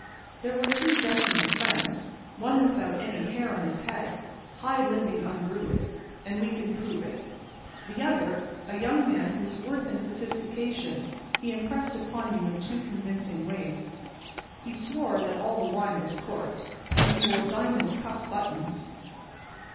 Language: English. There were two "gentlemen friends"—one without any hair on his head—high living ungrew it; and we can prove it—the other a young man whose worth and sophistication he impressed upon you in two convincing ways—he swore that all the wine was corked; and he wore diamond cuff buttons.